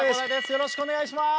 よろしくお願いします。